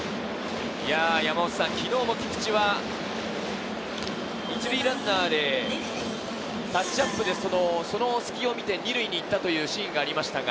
昨日も菊池は１塁ランナーでタッチアップでその隙を見て２塁に行ったシーンがありました。